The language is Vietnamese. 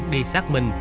đi xác minh